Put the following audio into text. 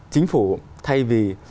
chính phủ thay vì